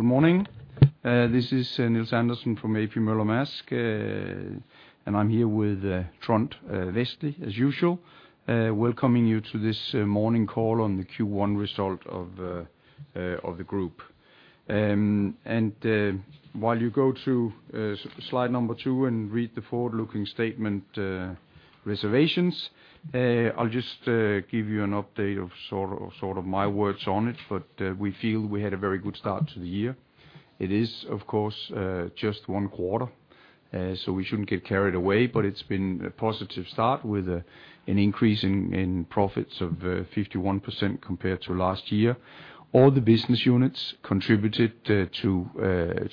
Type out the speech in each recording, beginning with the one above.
Good morning. This is Nils Andersen from A.P. Møller - Maersk, and I'm here with Trond Westlie, as usual, welcoming you to this morning call on the Q1 result of the group. While you go to slide number two and read the forward-looking statement reservations, I'll just give you an update of sort of my words on it. We feel we had a very good start to the year. It is, of course, just one quarter, so we shouldn't get carried away, but it's been a positive start with an increase in profits of 51% compared to last year. All the business units contributed to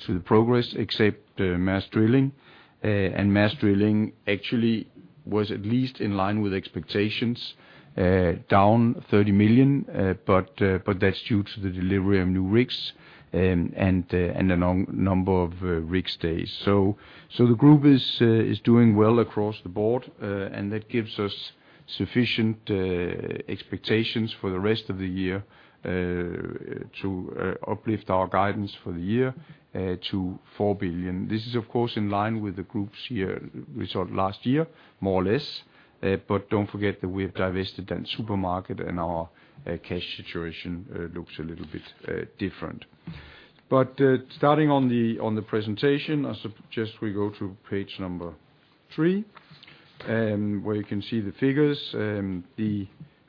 the progress except Maersk Drilling. Maersk Drilling actually was at least in line with expectations, down $30 million, but that's due to the delivery of new rigs and the number of rig stays. The group is doing well across the board, and that gives us sufficient expectations for the rest of the year to uplift our guidance for the year to $4 billion. This is of course in line with the group's year result last year, more or less. Don't forget that we have divested that supermarket and our cash situation looks a little bit different. Starting on the presentation, I suggest we go to page number three, where you can see the figures. The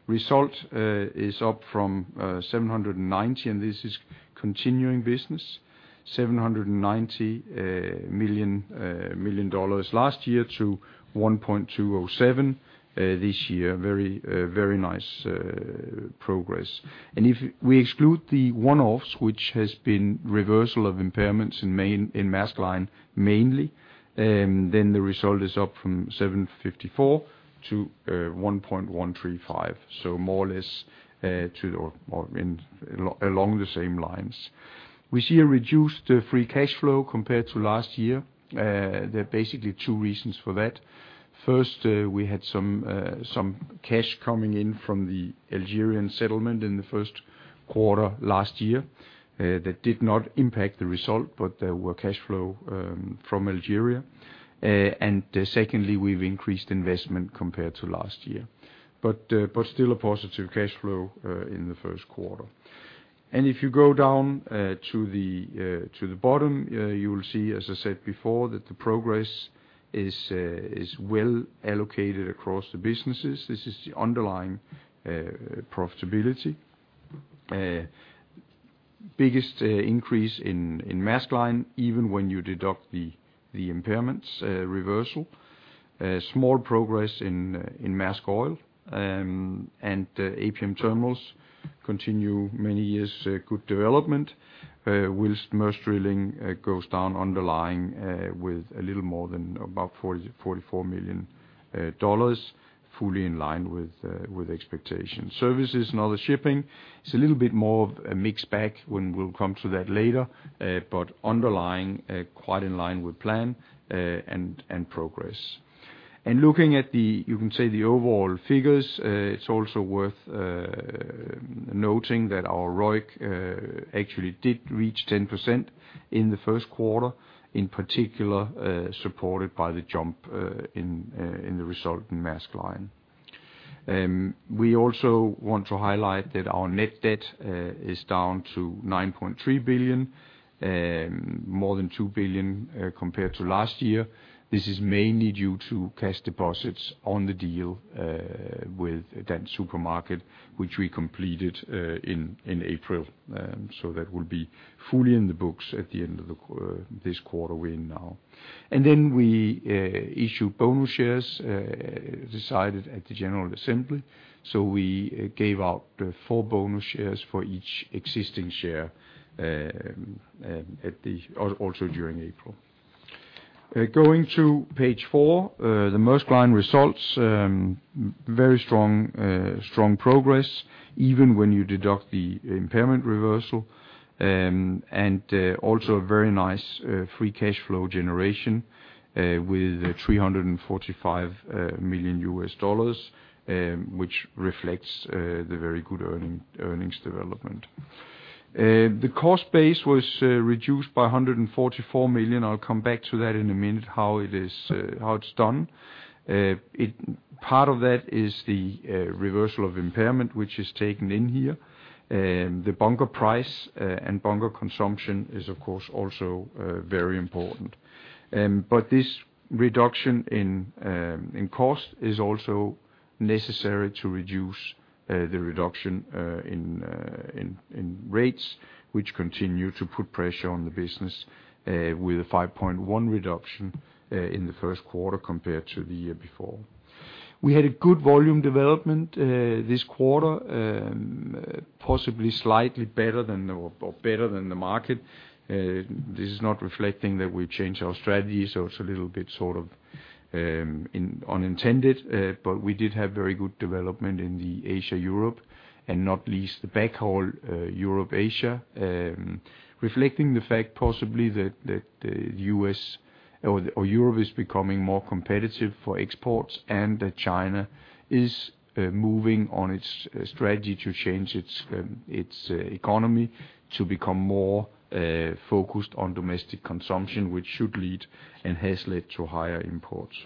result is up from $790 million for continuing business last year to $1.207 billion this year. Very nice progress. If we exclude the one-offs, which has been reversal of impairments in Maersk Line mainly, then the result is up from $754 million-$1.135 billion. More or less along the same lines. We see a reduced free cash flow compared to last year. There are basically two reasons for that. First, we had some cash coming in from the Algerian settlement in the first quarter last year that did not impact the result, but there were cash flow from Algeria. Secondly, we've increased investment compared to last year. But still a positive cash flow in the first quarter. If you go down to the bottom, you will see, as I said before, that the progress is well allocated across the businesses. This is the underlying profitability. Biggest increase in Maersk Line, even when you deduct the impairments reversal. Small progress in Maersk Oil, and APM Terminals continue many years good development, while Maersk Drilling goes down underlying with a little more than about $44 million, fully in line with expectations. Services & Other Shipping is a little bit more of a mixed bag when we'll come to that later, but underlying, quite in line with plan, and progress. Looking at the, you can say the overall figures, it's also worth noting that our ROIC actually did reach 10% in the first quarter, in particular supported by the jump in the result in Maersk Line. We also want to highlight that our net debt is down to $9.3 billion, more than $2 billion compared to last year. This is mainly due to cash deposits on the deal with Dansk Supermarked, which we completed in April. That will be fully in the books at the end of this quarter we're in now. We issue bonus shares decided at the general assembly. We gave out four bonus shares for each existing share, also during April. Going to page four, the Maersk Line results very strong progress even when you deduct the impairment reversal. Also a very nice free cash flow generation with $345 million, which reflects the very good earnings development. The cost base was reduced by $144 million. I'll come back to that in a minute, how it's done. Part of that is the reversal of impairment which is taken in here. The bunker price and bunker consumption is of course also very important. This reduction in cost is also necessary to reduce the reduction in rates, which continue to put pressure on the business with a 5.1% reduction in the first quarter compared to the year before. We had a good volume development this quarter, possibly slightly better than, or better than, the market. This is not reflecting that we changed our strategy, so it's a little bit sort of unintended. We did have very good development in the Asia-Europe, and not least the backhaul, Europe-Asia, reflecting the fact possibly that U.S. or Europe is becoming more competitive for exports, and that China is moving on its strategy to change its economy to become more focused on domestic consumption, which should lead and has led to higher imports.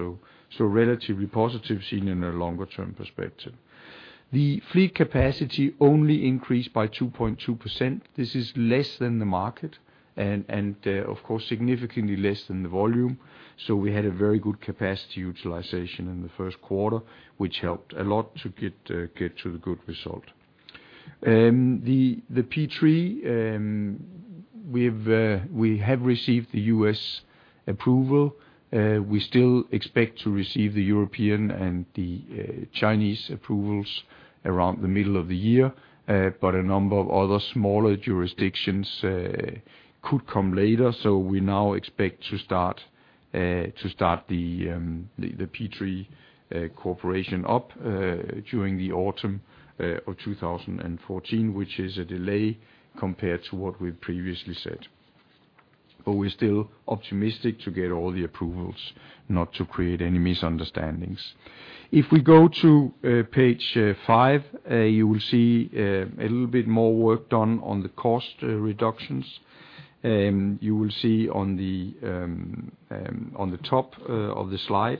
Relatively positive seen in a longer-term perspective. The fleet capacity only increased by 2.2%. This is less than the market and, of course, significantly less than the volume. We had a very good capacity utilization in the first quarter, which helped a lot to get to the good result. The P3, we've received the U.S. approval. We still expect to receive the European and the Chinese approvals around the middle of the year. A number of other smaller jurisdictions could come later. We now expect to start the P3 cooperation up during the autumn of 2014, which is a delay compared to what we previously said. We're still optimistic to get all the approvals, not to create any misunderstandings. If we go to page five, you will see a little bit more work done on the cost reductions. You will see on the top of the slide,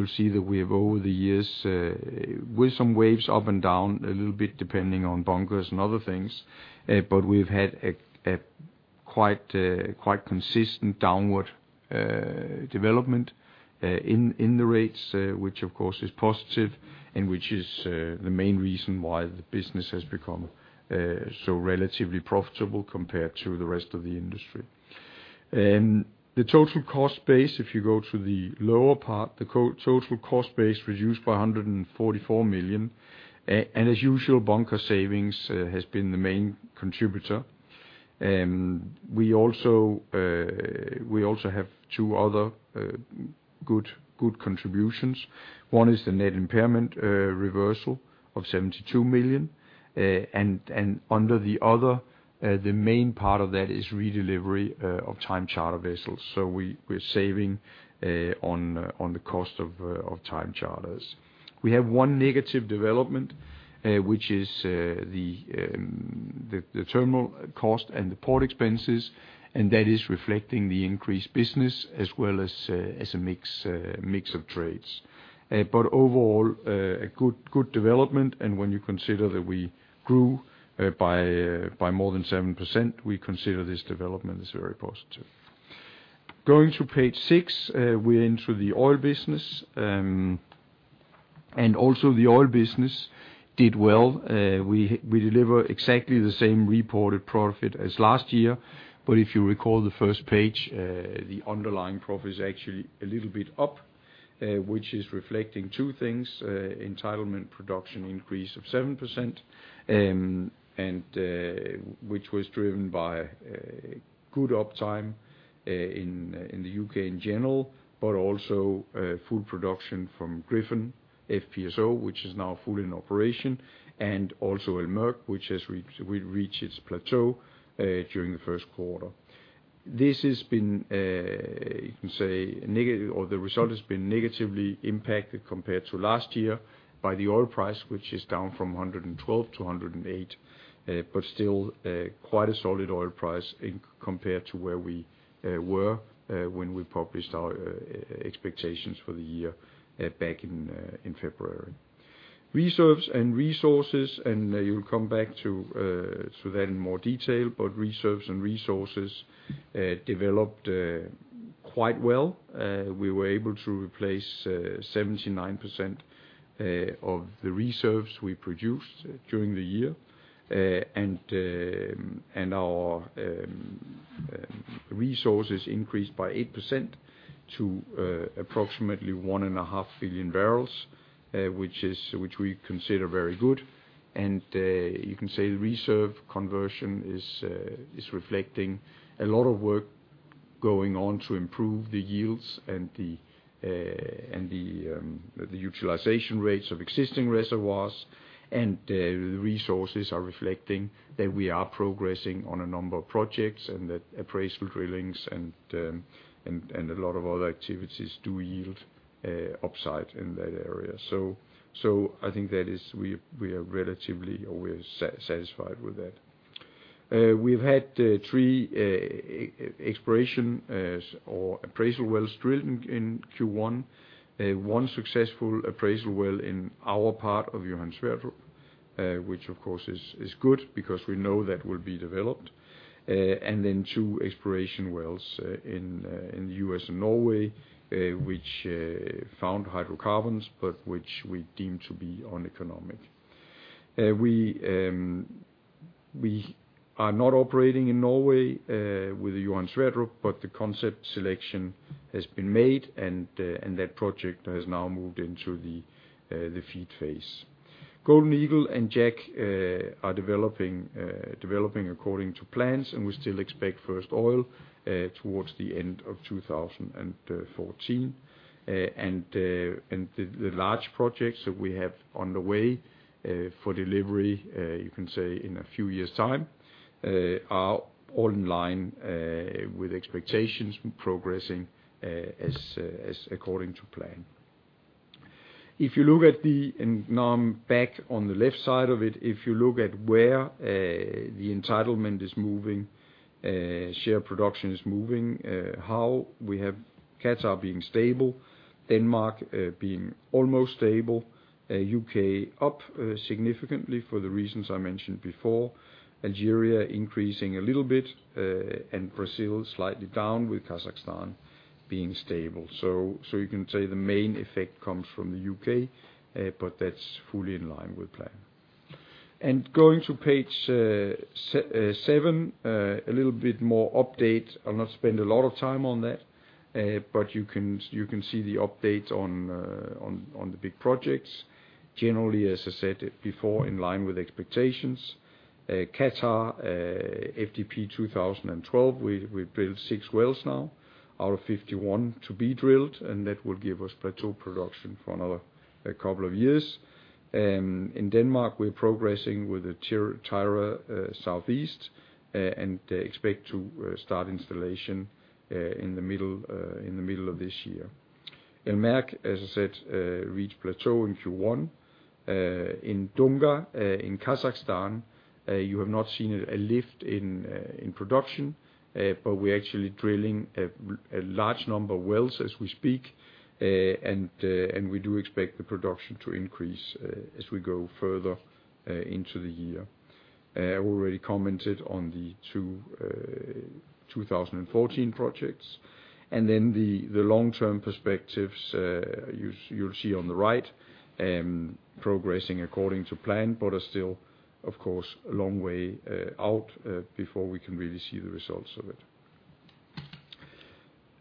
you'll see that we have over the years with some waves up and down a little bit depending on bunkers and other things. We've had quite consistent downward development in the rates, which of course is positive, and which is the main reason why the business has become so relatively profitable compared to the rest of the industry. The total cost base, if you go to the lower part, the total cost base reduced by $144 million. As usual, bunker savings has been the main contributor. We also have two other good contributions. One is the net impairment reversal of $72 million. The other, the main part of that is redelivery of time charter vessels. We're saving on the cost of time charters. We have one negative development, which is the terminal cost and the port expenses, and that is reflecting the increased business as well as a mix of trades. But overall, a good development. When you consider that we grew by more than 7%, we consider this development as very positive. Going to page six, we're into the oil business. Also the oil business did well. We deliver exactly the same reported profit as last year. If you recall the first page, the underlying profit is actually a little bit up, which is reflecting two things. Entitlement production increase of 7%, which was driven by good uptime in the U.K. in general, but also full production from Gryphon FPSO, which is now fully in operation, and also El Merk, which reached its plateau during the first quarter. This has been, you can say negative or the result has been negatively impacted compared to last year by the oil price, which is down from $112-$108, but still quite a solid oil price compared to where we were when we published our expectations for the year back in February. Reserves and resources, and you'll come back to that in more detail, but reserves and resources developed quite well. We were able to replace 79% of the reserves we produced during the year. Our resources increased by 8% to approximately 1.5 billion barrels, which we consider very good. You can say the reserve conversion is reflecting a lot of work going on to improve the yields and the utilization rates of existing reservoirs. The resources are reflecting that we are progressing on a number of projects and that appraisal drillings and a lot of other activities do yield upside in that area. I think we are relatively satisfied with that. We've had three exploration or appraisal wells drilled in Q1. One successful appraisal well in our part of Johan Sverdrup, which of course is good because we know that will be developed. Two exploration wells in the U.S. and Norway, which found hydrocarbons, but which we deem to be uneconomic. We are not operating in Norway with Johan Sverdrup, but the concept selection has been made and that project has now moved into the FEED phase. Golden Eagle and Jack are developing according to plans, and we still expect first oil towards the end of 2014. The large projects that we have on the way for delivery, you can say in a few years' time, are all in line with expectations progressing as according to plan. Now I'm back on the left side of it. If you look at where the entitlement is moving, share production is moving, how we have Qatar being stable, Denmark being almost stable, U.K. up significantly for the reasons I mentioned before. Algeria increasing a little bit, and Brazil slightly down with Kazakhstan being stable. You can say the main effect comes from the U.K., but that's fully in line with plan. Going to page seven, a little bit more update. I'll not spend a lot of time on that, but you can see the update on the big projects. Generally, as I said before, in line with expectations. Qatar, FDP 2012, we built six wells now out of 51 to be drilled, and that will give us plateau production for another couple of years. In Denmark, we're progressing with the Tyra Southeast, and expect to start installation in the middle of this year. In Maersk, as I said, reach plateau in Q1. In Dunga, in Kazakhstan, you have not seen a lift in production, but we're actually drilling a large number of wells as we speak. We do expect the production to increase as we go further into the year. I already commented on the 2014 projects. The long-term perspectives you'll see on the right progressing according to plan. They are still, of course, a long way out before we can really see the results of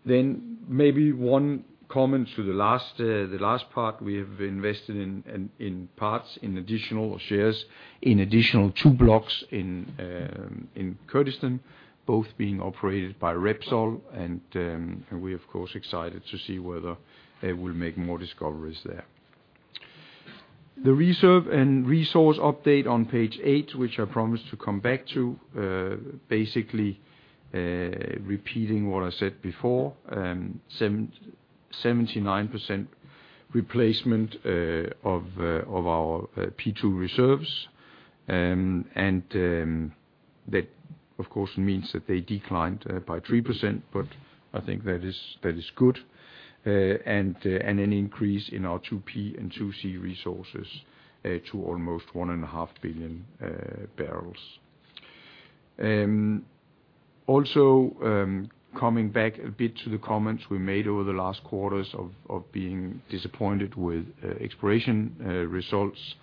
it. Maybe one comment to the last part we have invested in parts in additional shares in additional two blocks in Kurdistan, both being operated by Repsol. We're of course excited to see whether they will make more discoveries there. The reserve and resource update on page eight, which I promised to come back to, basically repeating what I said before, 79% replacement of our 2P reserves. That of course means that they declined by 3%, but I think that is good. An increase in our 2P and 2C resources to almost 1.5 billion barrels. Also, coming back a bit to the comments we made over the last quarters of being disappointed with exploration results.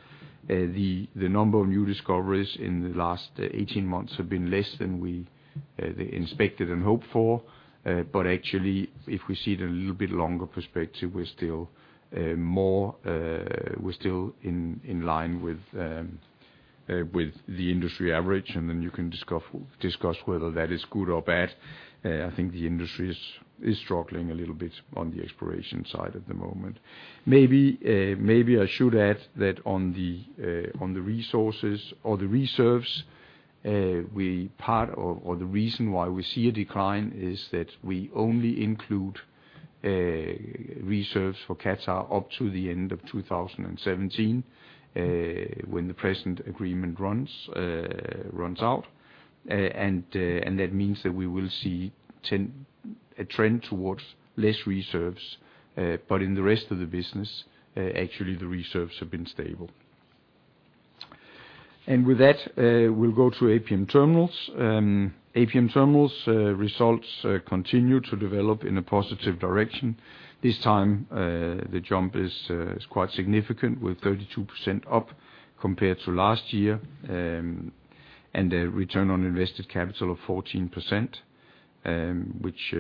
The number of new discoveries in the last 18 months have been less than we expected and hoped for. Actually if we see it in a little bit longer perspective, we're still in line with the industry average and then you can discuss whether that is good or bad. I think the industry is struggling a little bit on the exploration side at the moment. Maybe I should add that on the resources or the reserves, the reason why we see a decline is that we only include reserves for Qatar up to the end of 2017, when the present agreement runs out. That means that we will see a trend towards less reserves. In the rest of the business, actually the reserves have been stable. With that, we'll go to APM Terminals. APM Terminals results continue to develop in a positive direction. This time, the jump is quite significant with 32% up compared to last year. A return on invested capital of 14%, which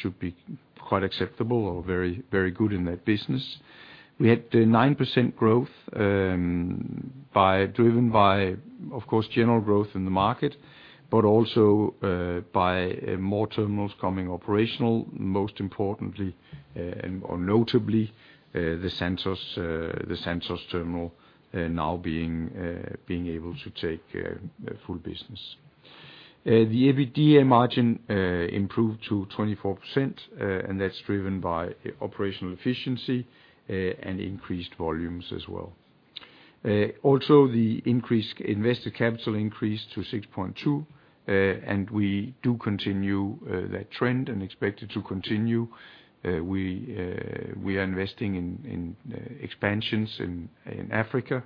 should be quite acceptable or very, very good in that business. We had 9% growth driven by, of course, general growth in the market, but also by more terminals coming operational, most importantly or notably the Santos terminal now being able to take full business. The EBITDA margin improved to 24%, and that's driven by operational efficiency and increased volumes as well. Also, invested capital increased to $6.2 billion. We do continue that trend and expect it to continue. We are investing in expansions in Africa.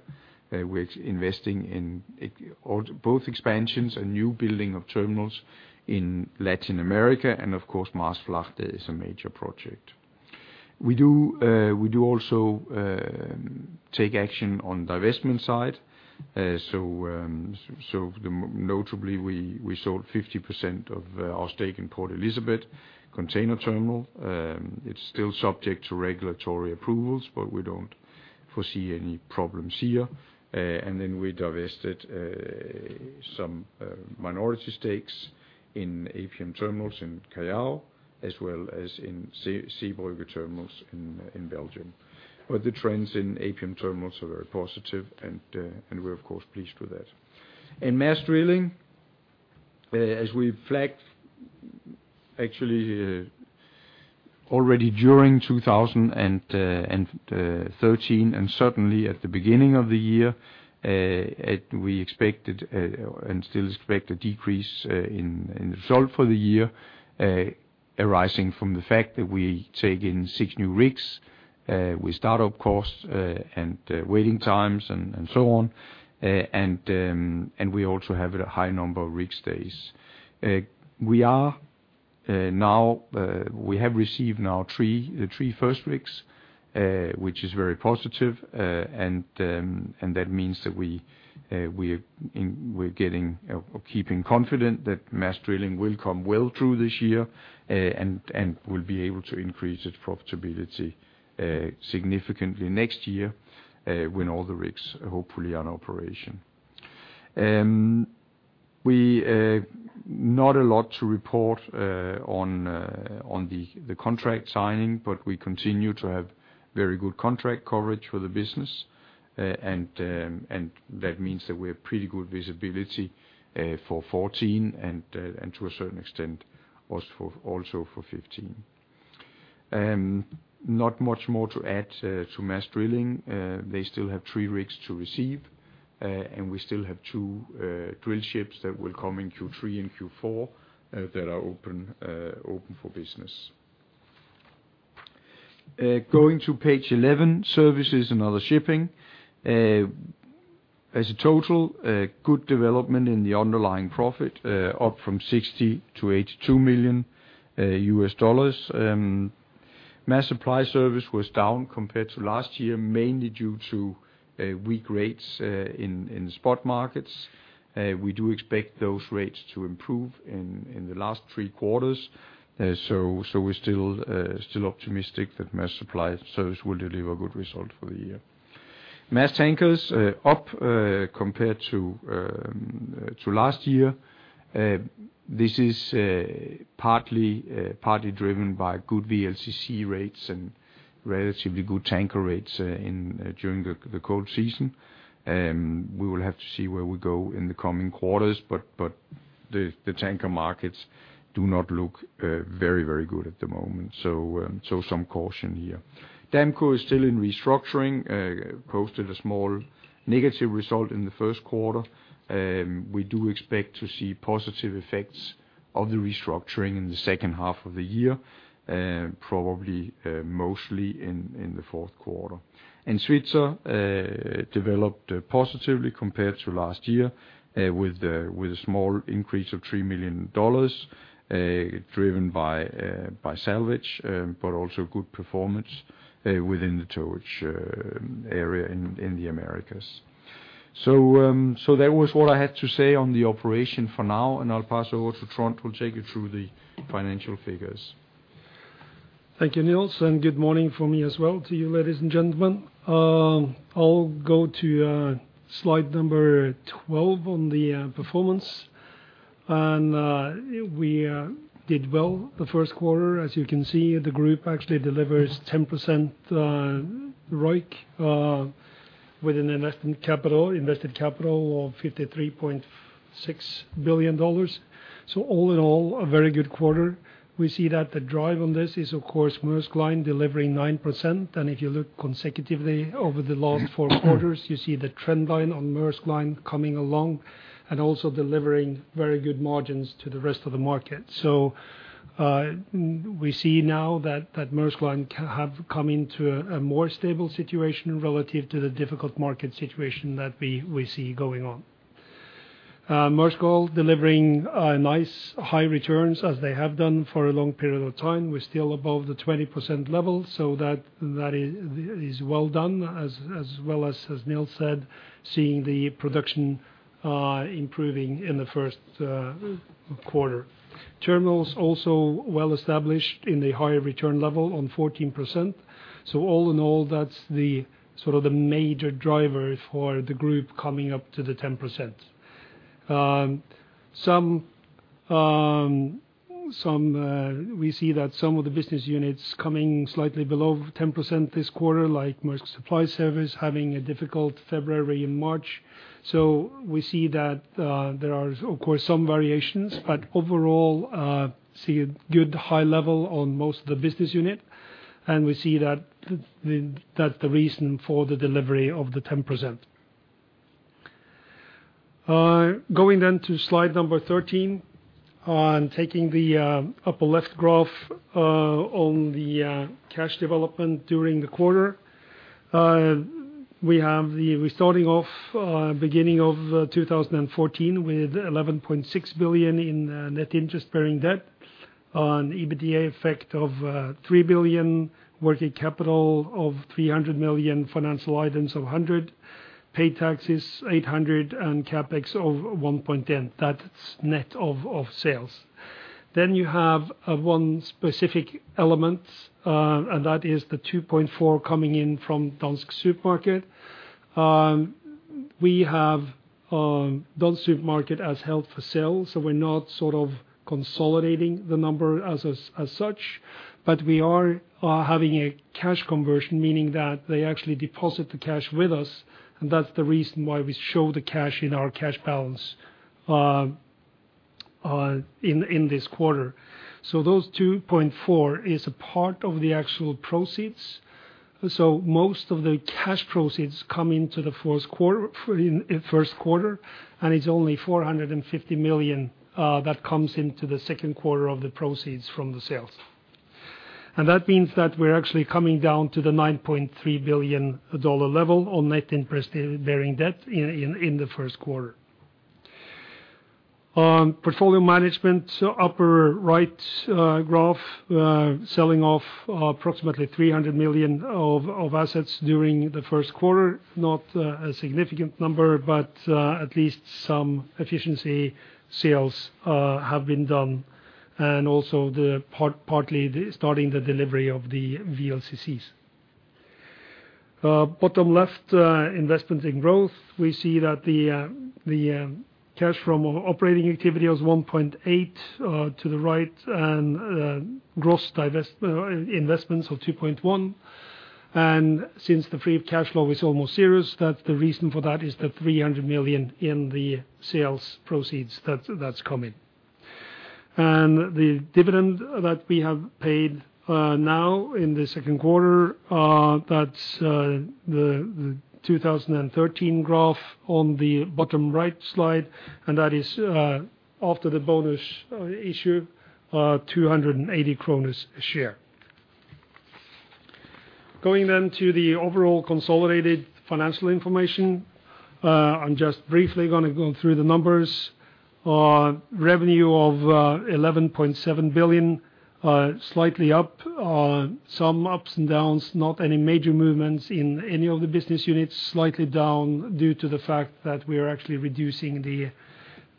We're investing in both expansions and new building of terminals in Latin America, and of course Maasvlakte is a major project. We also take action on the divestment side. Notably, we sold 50% of our stake in Port Elizabeth. It's still subject to regulatory approvals, but we don't foresee any problems here. Then we divested some minority stakes in APM Terminals in Callao, as well as in Zeebrugge Terminals in Belgium. The trends in APM Terminals are very positive and we're of course pleased with that. In Maersk Drilling, as we flagged. Actually, already during 2013, and certainly at the beginning of the year, we expected, and still expect a decrease in the result for the year, arising from the fact that we take in six new rigs, with start-up costs, and waiting times and so on. We also have a high number of rig stays. We are now. We have received three, the first three rigs, which is very positive. That means that we're getting or keeping confident that Maersk Drilling will come well through this year, and will be able to increase its profitability, significantly next year, when all the rigs are hopefully in operation. Not a lot to report on the contract signing, but we continue to have very good contract coverage for the business. That means that we have pretty good visibility for 2014 and to a certain extent, also for 2015. Not much more to add to Maersk Drilling. They still have three rigs to receive, and we still have two drill ships that will come in Q3 and Q4 that are open for business. Going to page 11, Services & Other Shipping. As a total, a good development in the underlying profit up from $60 million-$82 million. Maersk Supply Service was down compared to last year, mainly due to weak rates in the spot markets. We do expect those rates to improve in the last three quarters. We're still optimistic that Maersk Supply Service will deliver a good result for the year. Maersk Tankers up compared to last year. This is partly driven by good VLCC rates and relatively good tanker rates during the cold season. We will have to see where we go in the coming quarters, but the tanker markets do not look very good at the moment. Some caution here. Damco is still in restructuring, posted a small negative result in the first quarter. We do expect to see positive effects of the restructuring in the second half of the year, probably mostly in the fourth quarter. Svitzer developed positively compared to last year with a small increase of $3 million driven by salvage, but also good performance within the towage area in the Americas. That was what I had to say on the operation for now, and I'll pass over to Trond, who'll take you through the financial figures. Thank you, Nils, and good morning from me as well to you, ladies and gentlemen. I'll go to slide number 12 on the performance. We did well the first quarter. As you can see, the group actually delivers 10% ROIC with an investment capital, invested capital of $53.6 billion. All in all, a very good quarter. We see that the drive on this is of course Maersk Line delivering 9%. If you look consecutively over the last four quarters, you see the trend line on Maersk Line coming along and also delivering very good margins to the rest of the market. We see now that Maersk Line have come into a more stable situation relative to the difficult market situation that we see going on. Maersk Oil delivering nice high returns as they have done for a long period of time. We're still above the 20% level, so that is well done, as well as Nils said, seeing the production improving in the first quarter. Terminals also well established in the higher return level on 14%. All in all, that's the sort of the major driver for the group coming up to the 10%. We see that some of the business units coming slightly below 10% this quarter, like Maersk Supply Service having a difficult February and March. We see that there are of course some variations, but overall see a good high level on most of the business unit, and we see that that's the reason for the delivery of the 10%. Going to slide number 13. On the upper left graph on the cash development during the quarter. We're starting off beginning of 2014 with $11.6 billion in net interest-bearing debt on EBITDA effect of $3 billion, working capital of $300 million, financial items of $100 million, paid taxes $800 million, and CapEx of $1.10 billion. That's net of sales. You have one specific element, and that is the $2.4 billion coming in from Dansk Supermarked. We have Dansk Supermarked as held for sale, so we're not sort of consolidating the number as such. We are having a cash conversion, meaning that they actually deposit the cash with us, and that's the reason why we show the cash in our cash balance in this quarter. Those $2.4 billion is a part of the actual proceeds. Most of the cash proceeds come into the first quarter, and it's only $450 million that comes into the second quarter of the proceeds from the sales. That means that we're actually coming down to the $9.3 billion level on net interest bearing debt in the first quarter. On portfolio management, upper right graph, selling off approximately $300 million of assets during the first quarter, not a significant number, but at least some efficiency sales have been done, and also partly the starting the delivery of the VLCCs. Bottom left, investments in growth, we see that the cash from operating activity was $1.8 to the right, and gross investments of $2.1. Since the free cash flow is almost zero, that's the reason for that is the $300 million in the sales proceeds that's coming. The dividend that we have paid now in the second quarter, that's the 2013 graph on the bottom right slide, and that is after the bonus issue, 280 kroner a share. Going to the overall consolidated financial information, I'm just briefly gonna go through the numbers. Revenue of $11.7 billion, slightly up. Some ups and downs, not any major movements in any of the business units, slightly down due to the fact that we are actually reducing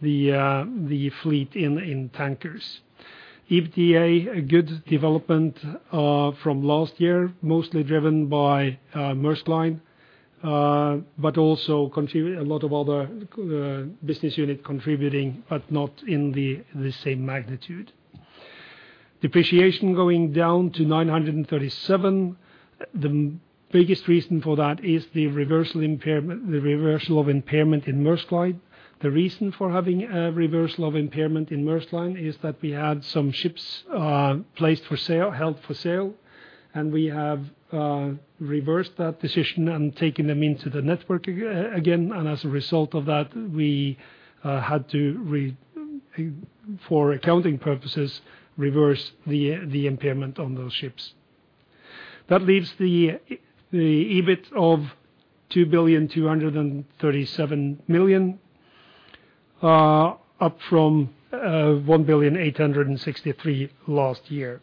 the fleet in tankers. EBITDA, a good development from last year, mostly driven by Maersk Line, but also a lot of other business unit contributing, but not in the same magnitude. Depreciation going down to $937 million. The biggest reason for that is the reversal of impairment in Maersk Line. The reason for having a reversal of impairment in Maersk Line is that we had some ships placed for sale, held for sale, and we have reversed that decision and taken them into the network again. As a result of that, we had to reverse for accounting purposes the impairment on those ships. That leaves the EBIT of $2.237 million up from $1.863 million last year.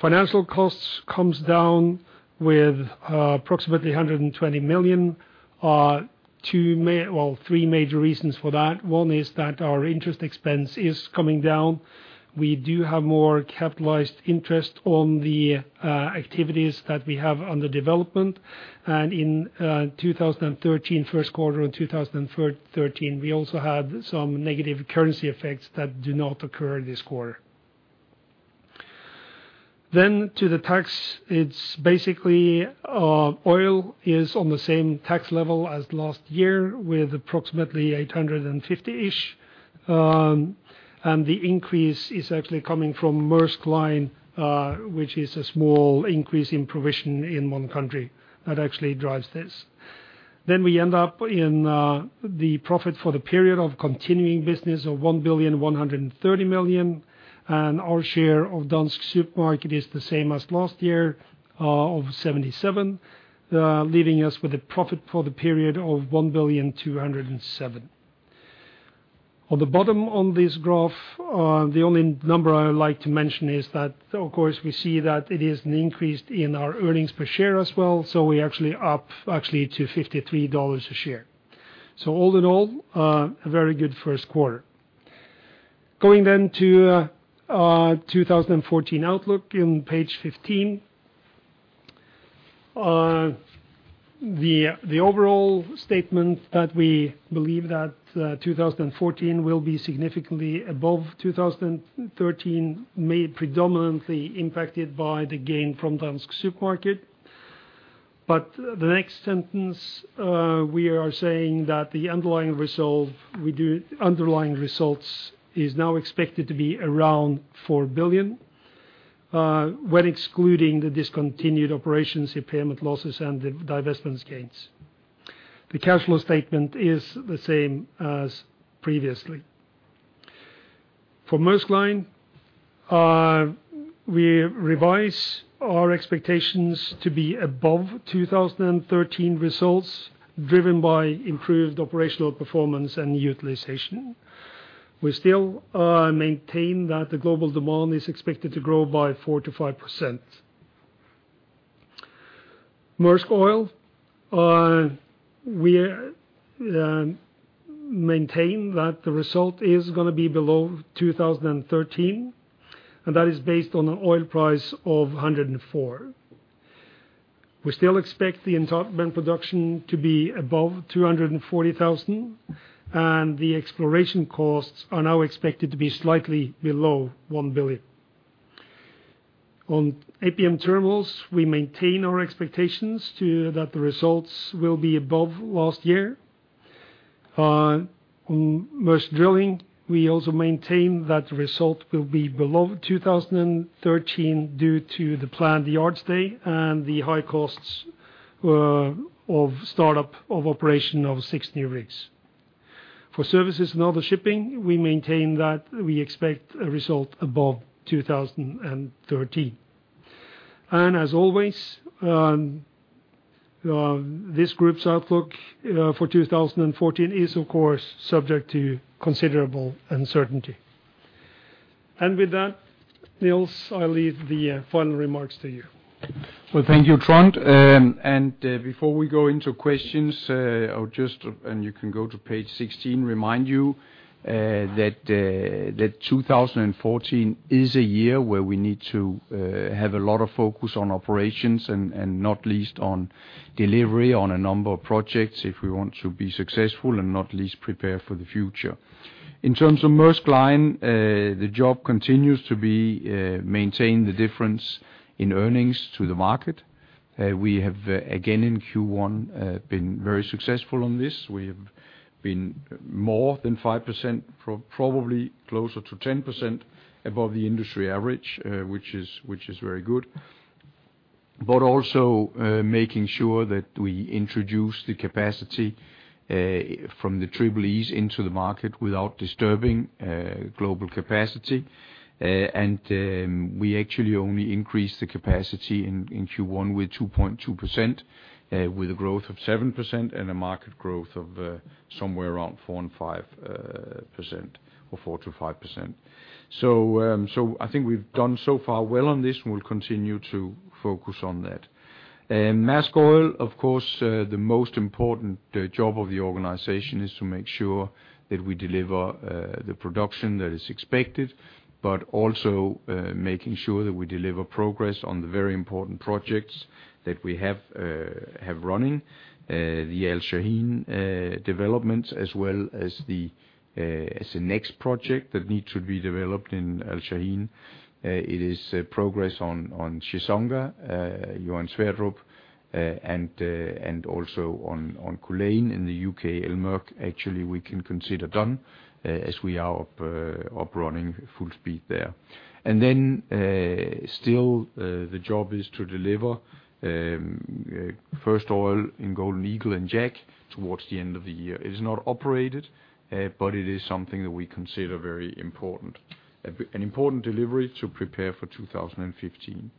Financial costs comes down with approximately $120 million. Well, three major reasons for that. One is that our interest expense is coming down. We do have more capitalized interest on the activities that we have under development. In 2013, first quarter in 2013, we also had some negative currency effects that do not occur this quarter. To the tax, it's basically, oil is on the same tax level as last year with approximately $850-ish. The increase is actually coming from Maersk Line, which is a small increase in provision in one country that actually drives this. We end up in the profit for the period of continuing business of $1.13 billion, and our share of Dansk Supermarked is the same as last year, of $77 million, leaving us with a profit for the period of $1.207 billion. On the bottom on this graph, the only number I would like to mention is that, of course, we see that it is an increase in our earnings per share as well, so we're actually up to $53 a share. All in all, a very good first quarter. Going to, 2014 outlook on page 15. The overall statement that we believe that, 2014 will be significantly above 2013, made predominantly impacted by the gain from Dansk Supermarked. The next sentence, we are saying that the underlying results is now expected to be around $4 billion, when excluding the discontinued operations, impairment losses, and the divestments gains. The cash flow statement is the same as previously. For Maersk Line, we revise our expectations to be above 2013 results, driven by improved operational performance and utilization. We still maintain that the global demand is expected to grow by 4%-5%. Maersk Oil, we maintain that the result is gonna be below 2013, and that is based on an oil price of $104. We still expect the entitlement production to be above 240,000, and the exploration costs are now expected to be slightly below $1 billion. On APM Terminals, we maintain our expectations that the results will be above last year. On Maersk Drilling, we also maintain that the result will be below 2013 due to the planned yard stay and the high costs of startup of operation of six new rigs. For Services & Other Shipping, we maintain that we expect a result above 2013. As always, this group's outlook for 2014 is of course subject to considerable uncertainty. With that, Nils, I leave the final remarks to you. Well, thank you, Trond. Before we go into questions, I would just, and you can go to page 16, remind you, that 2014 is a year where we need to have a lot of focus on operations and not least on delivery on a number of projects if we want to be successful and not least prepare for the future. In terms of Maersk Line, the job continues to be maintain the difference in earnings to the market. We have, again, in Q1, been very successful on this. We have been more than 5%, probably closer to 10% above the industry average, which is very good. Also, making sure that we introduce the capacity from the Triple-E's into the market without disturbing global capacity. We actually only increased the capacity in Q1 with 2.2%, with a growth of 7% and a market growth of somewhere around 4%-5%. I think we've done so far well on this, and we'll continue to focus on that. Maersk Oil, of course, the most important job of the organization is to make sure that we deliver the production that is expected, but also making sure that we deliver progress on the very important projects that we have running. The Al Shaheen development as well as the next project that needs to be developed in Al Shaheen. It is progress on Chissonga, Johan Sverdrup, and also on Culzean. In the U.K., El Merk, actually we can consider done, as we are up and running full speed there. Then, still, the job is to deliver first oil in Golden Eagle and Jack towards the end of the year. It is not operated, but it is something that we consider very important. An important delivery to prepare for 2015.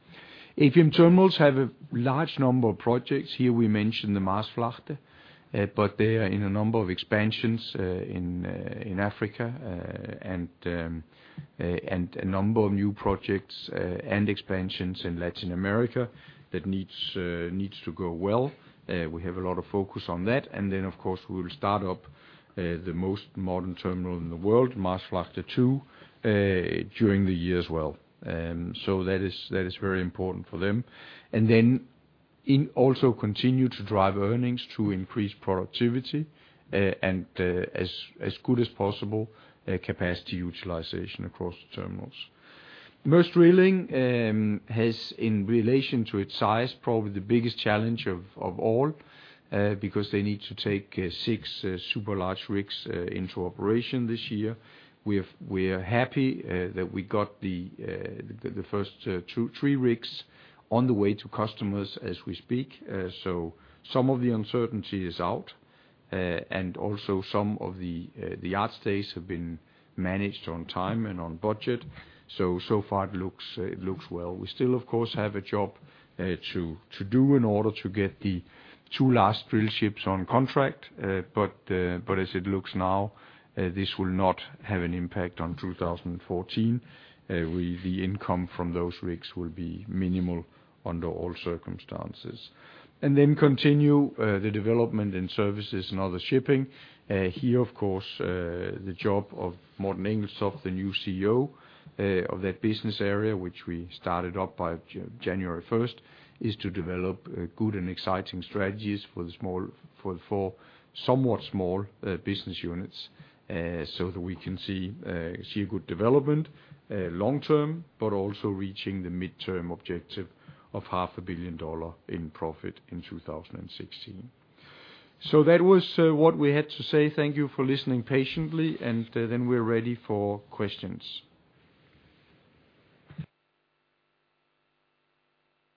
APM Terminals have a large number of projects. Here we mentioned the Maasvlakte, but they are in a number of expansions in Africa, and a number of new projects and expansions in Latin America that needs to go well. We have a lot of focus on that. Of course, we will start up the most modern terminal in the world, Maasvlakte II, during the year as well. That is very important for them. Also continue to drive earnings to increase productivity, and as good as possible capacity utilization across the terminals. Maersk Drilling has in relation to its size probably the biggest challenge of all because they need to take six super large rigs into operation this year. We are happy that we got the first two, three rigs on the way to customers as we speak. Some of the uncertainty is out. Also some of the yard stays have been managed on time and on budget. So far it looks well. We still of course have a job to do in order to get the two last drill ships on contract. As it looks now, this will not have an impact on 2014. The income from those rigs will be minimal under all circumstances. Continue the development in Services & Other Shipping. Here of course, the job of Morten Engelstoft, the new CEO of that business area, which we started up by January 1st, is to develop good and exciting strategies for the four somewhat small business units, so that we can see a good development long term, but also reaching the midterm objective of half a billion dollar in profit in 2016. That was what we had to say. Thank you for listening patiently, and then we're ready for questions.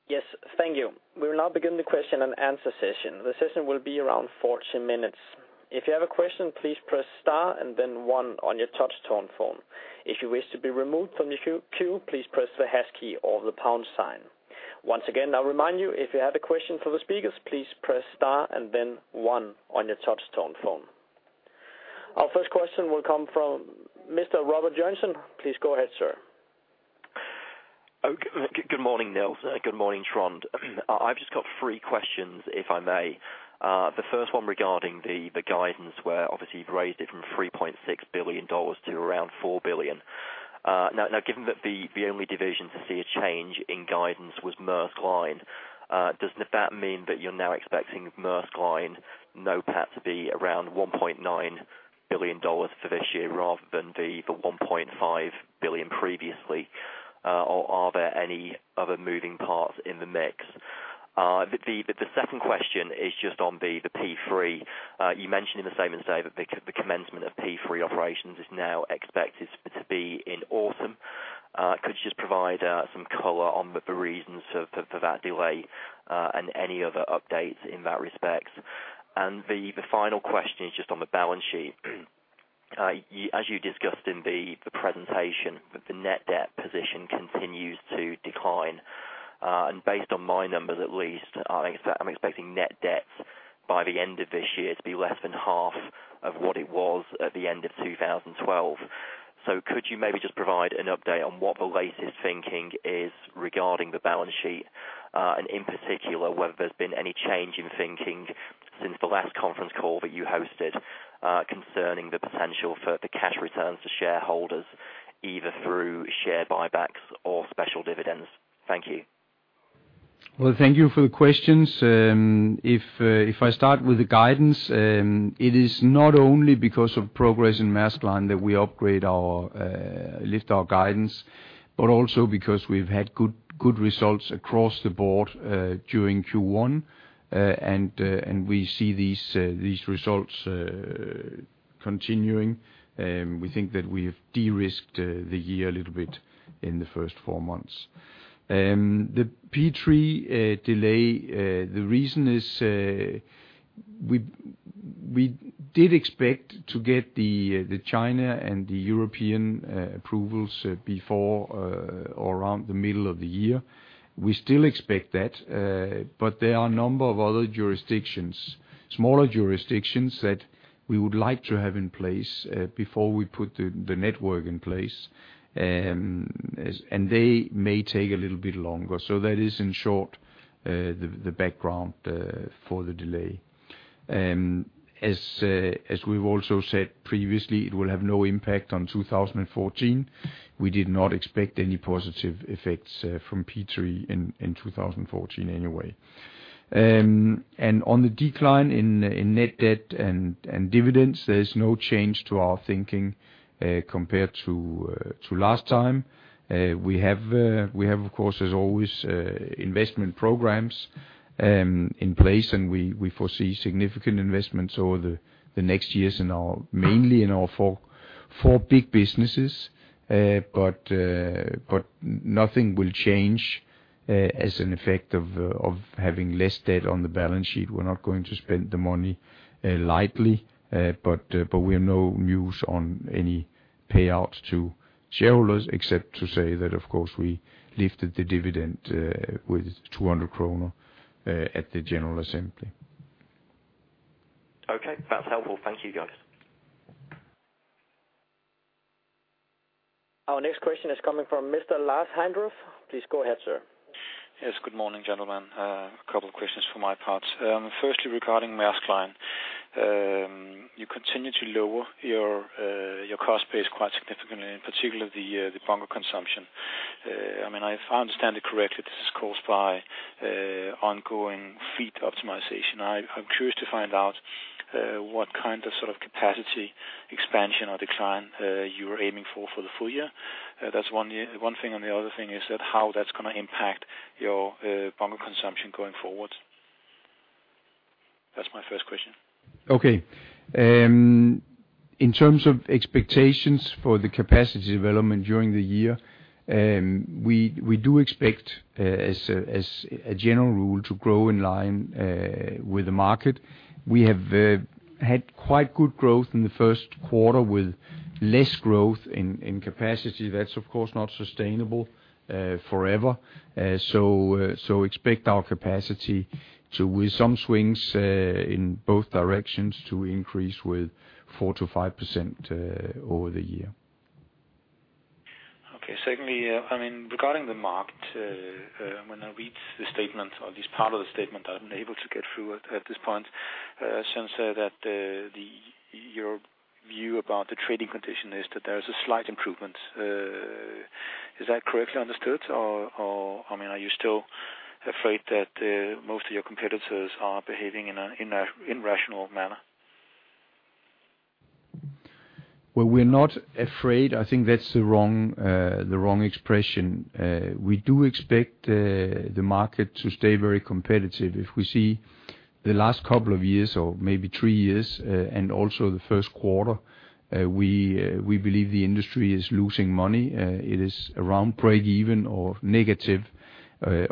Yes. Thank you. We will now begin the question and answer session. The session will be around 14 minutes. If you have a question, please press star and then one on your touch tone phone. If you wish to be removed from the queue, please press the hash key or the pound sign. Once again, I'll remind you, if you have a question for the speakers, please press star and then one on your touch tone phone. Our first question will come from Mr. Robert Jensen. Please go ahead, sir. Good morning, Nils. Good morning, Trond. I've just got three questions, if I may. The first one regarding the guidance where obviously you've raised it from $3.6 billion to around $4 billion. Now, given that the only division to see a change in guidance was Maersk Line, doesn't that mean that you're now expecting Maersk Line NPAT to be around $1.9 billion for this year rather than the $1.5 billion previously? Or are there any other moving parts in the mix? The second question is just on the P3. You mentioned in the same day that the commencement of P3 operations is now expected to be in autumn. Could you just provide some color on the reasons for that delay and any other updates in that respect? The final question is just on the balance sheet. As you discussed in the presentation, the net debt position continues to decline, and based on my numbers at least, I'm expecting net debt by the end of this year to be less than half of what it was at the end of 2012. Could you maybe just provide an update on what the latest thinking is regarding the balance sheet, and in particular, whether there's been any change in thinking since the last conference call that you hosted, concerning the potential for the cash returns to shareholders, either through share buybacks or special dividends? Thank you. Well, thank you for the questions. If I start with the guidance, it is not only because of progress in Maersk Line that we upgrade our, lift our guidance, but also because we've had good results across the board during Q1. We see these results continuing, we think that we have de-risked the year a little bit in the first four months. The P3 delay, the reason is, we did expect to get the China and the European approvals before or around the middle of the year. We still expect that, but there are a number of other jurisdictions, smaller jurisdictions that we would like to have in place before we put the network in place. They may take a little bit longer. That is, in short, the background for the delay. As we've also said previously, it will have no impact on 2014. We did not expect any positive effects from P3 in 2014 anyway. On the decline in net debt and dividends, there is no change to our thinking compared to last time. We have of course, as always, investment programs in place, and we foresee significant investments over the next years mainly in our four big businesses. Nothing will change as an effect of having less debt on the balance sheet. We're not going to spend the money lightly. We have no news on any payouts to shareholders, except to say that of course, we lifted the dividend with 200 kroner at the general assembly. Okay. That's helpful. Thank you, guys. Our next question is coming from Mr. Lars Heindorff. Please go ahead, sir. Yes. Good morning, gentlemen. A couple of questions for my part. Firstly, regarding Maersk Line. You continue to lower your cost base quite significantly, in particular the bunker consumption. I mean, if I understand it correctly, this is caused by ongoing fleet optimization. I'm curious to find out what kind of sort of capacity expansion or decline you are aiming for for the full year. That's one thing, and the other thing is that how that's gonna impact your bunker consumption going forward. That's my first question. Okay. In terms of expectations for the capacity development during the year, we do expect, as a general rule, to grow in line with the market. We have had quite good growth in the first quarter with less growth in capacity. That's of course not sustainable forever. Expect our capacity to, with some swings in both directions, to increase with 4%-5% over the year. Okay. Secondly, I mean, regarding the market, when I read the statement or at least part of the statement, I'm able to get through it at this point, your view about the trading condition is that there is a slight improvement. Is that correctly understood? Or, I mean, are you still afraid that most of your competitors are behaving in an irrational manner? Well, we're not afraid. I think that's the wrong expression. We do expect the market to stay very competitive. If we see the last couple of years or maybe three years, and also the first quarter, we believe the industry is losing money. It is around break even or negative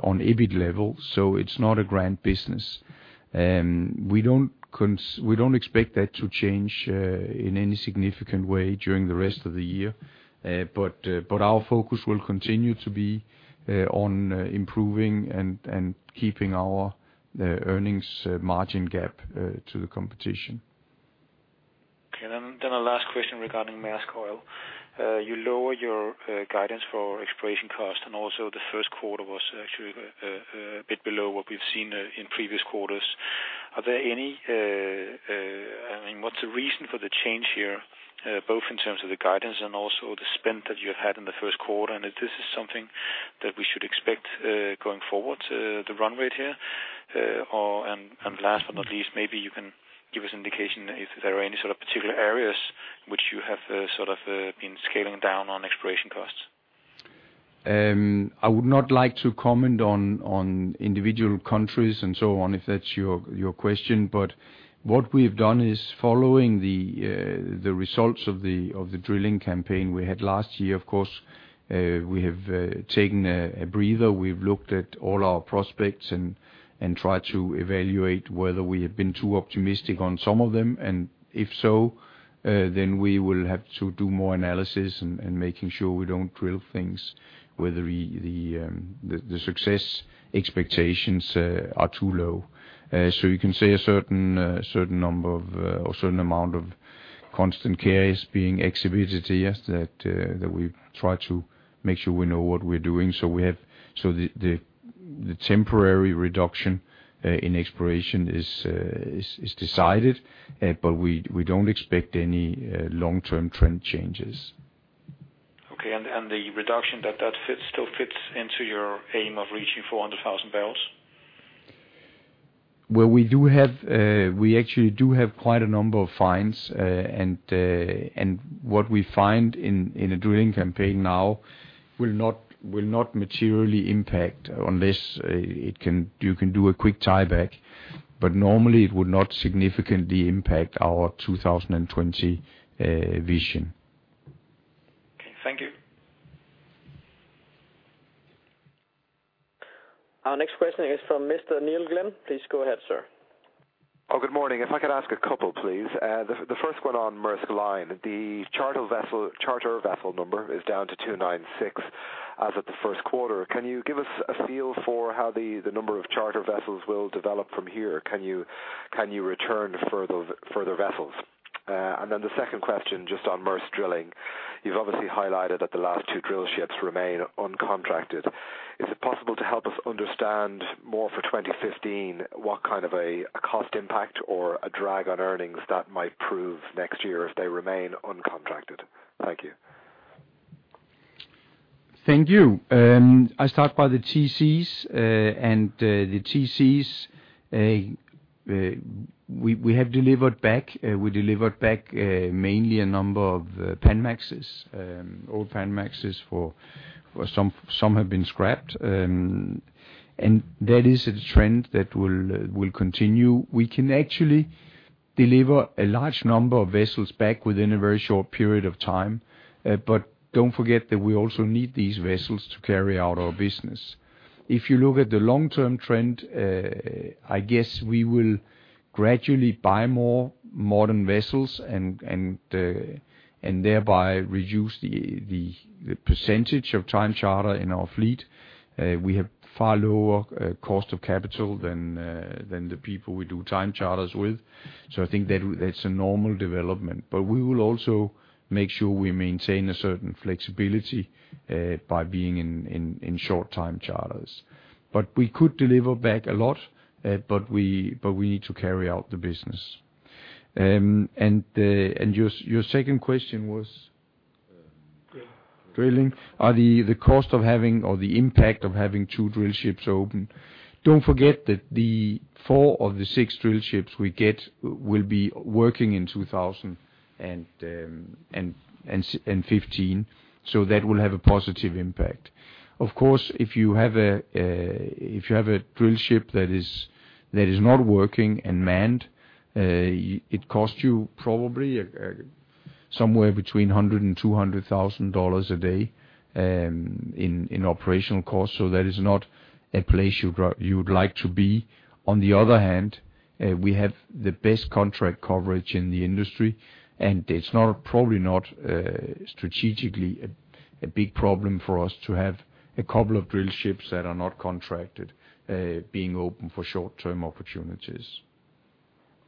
on EBIT level, so it's not a grand business. We don't expect that to change in any significant way during the rest of the year. Our focus will continue to be on improving and keeping our earnings margin gap to the competition. A last question regarding Maersk Oil. You lower your guidance for exploration cost, and also the first quarter was actually a bit below what we've seen in previous quarters. Are there any, I mean, what's the reason for the change here, both in terms of the guidance and also the spend that you had in the first quarter? If this is something that we should expect going forward, the run rate here, or. Last but not least, maybe you can give us indication if there are any sort of particular areas which you have sort of been scaling down on exploration costs. I would not like to comment on individual countries and so on, if that's your question. What we have done is following the results of the drilling campaign we had last year, of course, we have taken a breather. We've looked at all our prospects and tried to evaluate whether we have been too optimistic on some of them. If so, then we will have to do more analysis and making sure we don't drill things whether the success expectations are too low. You can say a certain amount of constant care is being exhibited here that we try to make sure we know what we're doing. We have... The temporary reduction in exploration is decided, but we don't expect any long-term trend changes. The reduction that still fits into your aim of reaching 400,000 barrels? Well, we actually do have quite a number of finds. What we find in a drilling campaign now will not materially impact unless you can do a quick tieback. Normally it would not significantly impact our 2020 vision. Okay. Thank you. Our next question is from Mr. Neil Glynn. Please go ahead, sir. Good morning. If I could ask a couple, please. The first one on Maersk Line. The charter vessel number is down to 296 as of the first quarter. Can you give us a feel for how the number of charter vessels will develop from here? Can you return further vessels? The second question just on Maersk Drilling. You've obviously highlighted that the last two drillships remain uncontracted. Is it possible to help us understand more for 2015. What kind of a cost impact or a drag on earnings that might prove next year if they remain uncontracted? Thank you. Thank you. I start by the TCs. We have delivered back mainly a number of old Panamaxes. Some have been scrapped. That is a trend that will continue. We can actually deliver a large number of vessels back within a very short period of time. But don't forget that we also need these vessels to carry out our business. If you look at the long-term trend, I guess we will gradually buy more modern vessels and thereby reduce the percentage of time charter in our fleet. We have far lower cost of capital than the people we do time charters with. I think that's a normal development. We will also make sure we maintain a certain flexibility by being in short time charters. We could deliver back a lot, but we need to carry out the business. Your second question was? Drilling. What's the cost of having or the impact of having two drillships open. Don't forget that the four of the six drillships we will be working in 2015, so that will have a positive impact. Of course, if you have a drillship that is not working and manned, it costs you probably somewhere between $100,000 and $200,000 a day in operational costs. That is not a place you would like to be. On the other hand, we have the best contract coverage in the industry, and it's probably not strategically a big problem for us to have a couple of drillships that are not contracted, being open for short-term opportunities.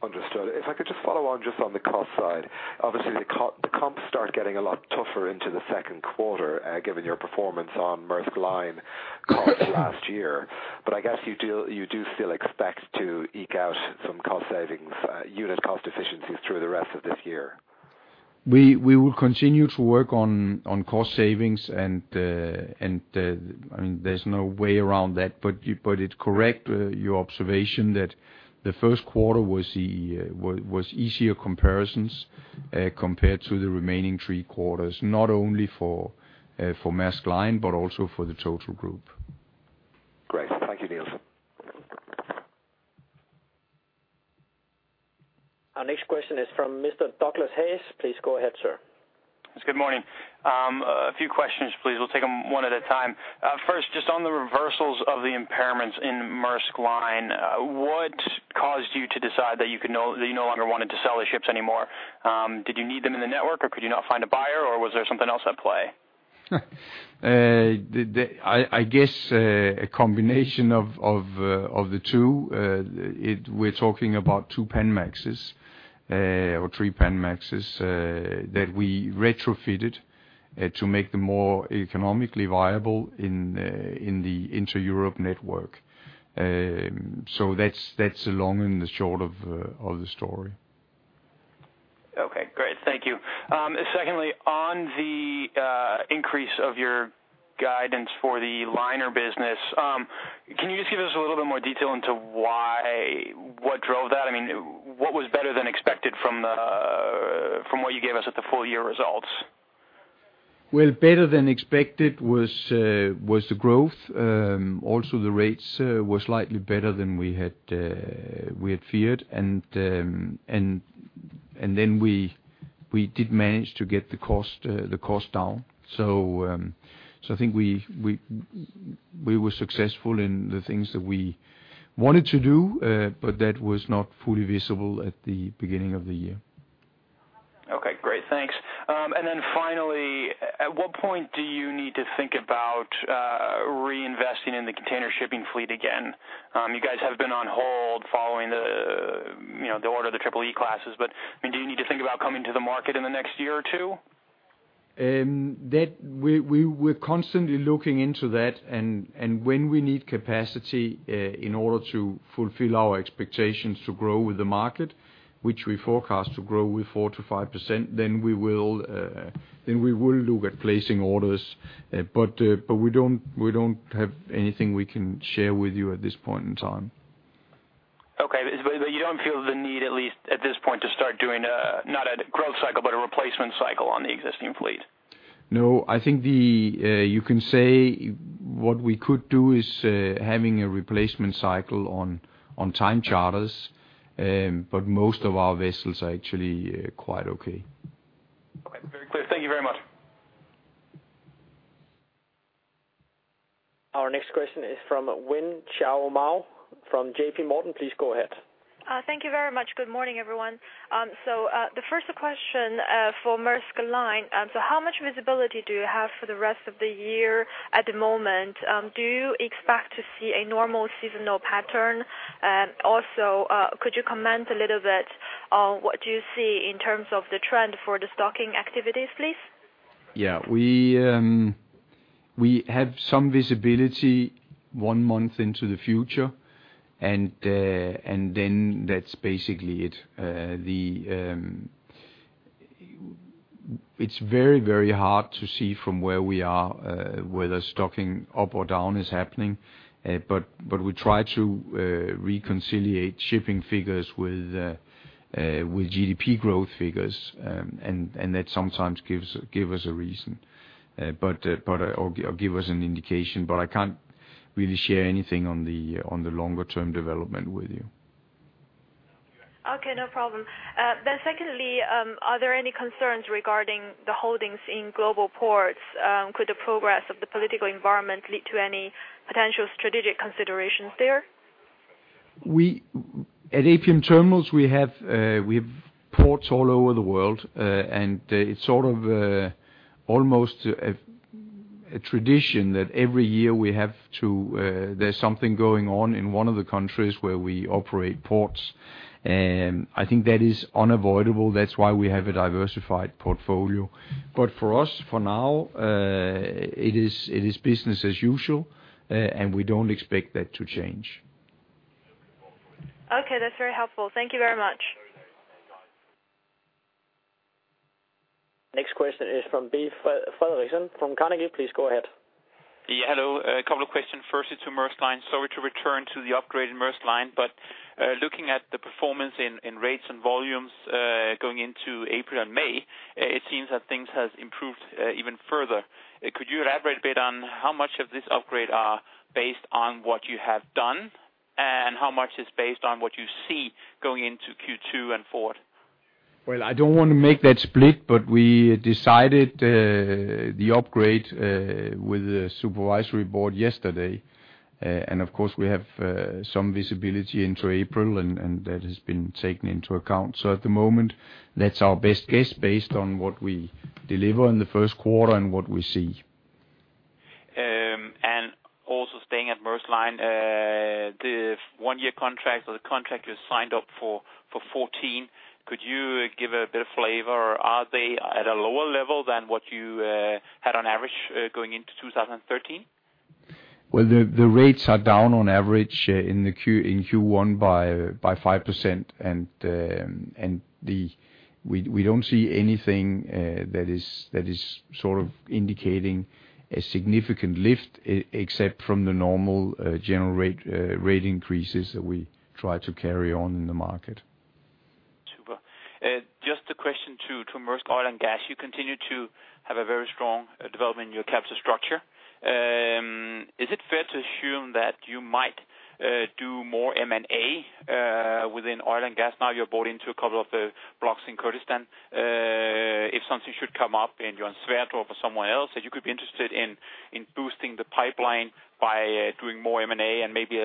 Understood. If I could just follow on just on the cost side. Obviously the comps start getting a lot tougher into the second quarter, given your performance on Maersk Line costs last year. I guess you do still expect to eke out some cost savings, unit cost efficiencies through the rest of this year. We will continue to work on cost savings and, I mean, there's no way around that. It's correct, your observation that the first quarter was easier comparisons compared to the remaining three quarters, not only for Maersk Line, but also for the total group. Great. Thank you, Nils. Our next question is from Mr. Douglas Hayes. Please go ahead, sir. Yes. Good morning. A few questions, please. We'll take them one at a time. First, just on the reversals of the impairments in Maersk Line, what caused you to decide that you no longer wanted to sell the ships anymore? Did you need them in the network or could you not find a buyer or was there something else at play? I guess a combination of the two. We're talking about two Panamaxes or three Panamaxes that we retrofitted to make them more economically viable in the Intra-Europe network. That's the long and the short of the story. Okay, great. Thank you. Secondly, on the increase of your guidance for the liner business, can you just give us a little bit more detail into why, what drove that? I mean, what was better than expected from what you gave us at the full year results? Well, better than expected was the growth. Also the rates were slightly better than we had feared. then we did manage to get the cost down. I think we were successful in the things that we wanted to do, but that was not fully visible at the beginning of the year. Okay, great. Thanks. Finally, at what point do you need to think about reinvesting in the container shipping fleet again? You guys have been on hold following the, you know, the order of the Triple-E classes. I mean, do you need to think about coming to the market in the next year or two? We're constantly looking into that and when we need capacity in order to fulfill our expectations to grow with the market, which we forecast to grow with 4%-5%, then we will look at placing orders. We don't have anything we can share with you at this point in time. Okay. You don't feel the need, at least at this point, to start doing not a growth cycle, but a replacement cycle on the existing fleet? No, I think you can say what we could do is having a replacement cycle on time charters. Most of our vessels are actually quite okay. Okay. Very clear. Thank you very much. Our next question is from Wei Xin Mao from JPMorgan. Please go ahead. Thank you very much. Good morning, everyone. The first question for Maersk Line. How much visibility do you have for the rest of the year at the moment? Do you expect to see a normal seasonal pattern? Also, could you comment a little bit on what you see in terms of the trend for the stocking activities, please? Yeah. We have some visibility one month into the future, and then that's basically it. It's very, very hard to see from where we are whether stocking up or down is happening. We try to reconcile shipping figures with GDP growth figures. That sometimes gives us a reason or gives us an indication, but I can't really share anything on the longer term development with you. Okay. No problem. Secondly, are there any concerns regarding the holdings in global ports? Could the progress of the political environment lead to any potential strategic considerations there? We at APM Terminals have ports all over the world. It's sort of almost a tradition that every year there's something going on in one of the countries where we operate ports. I think that is unavoidable. That's why we have a diversified portfolio. For us, for now, it is business as usual, and we don't expect that to change. Okay. That's very helpful. Thank you very much. Next question is from Bjarke Petersen from Carnegie. Please go ahead. Yeah. Hello. A couple of questions. Firstly, to Maersk Line. Sorry to return to the upgraded Maersk Line, but looking at the performance in rates and volumes going into April and May, it seems that things has improved even further. Could you elaborate a bit on how much of this upgrade are based on what you have done, and how much is based on what you see going into Q2 and forward? Well, I don't want to make that split, but we decided the upgrade with the supervisory board yesterday. Of course, we have some visibility into April, and that has been taken into account. At the moment, that's our best guess based on what we deliver in the first quarter and what we see. Also staying at Maersk Line, the one-year contract or the contract you signed up for 2014, could you give a bit of flavor? Are they at a lower level than what you had on average, going into 2013? Well, the rates are down on average in Q1 by 5%. We don't see anything that is sort of indicating a significant lift except from the normal general rate increases that we try to carry on in the market. Super. Just a question to Maersk Oil. You continue to have a very strong development in your capture structure. Is it fair to assume that you might do more M&A within oil and gas? Now, you're bought into a couple of the blocks in Kurdistan. If something should come up in Johan Sverdrup or somewhere else, that you could be interested in boosting the pipeline by doing more M&A, and maybe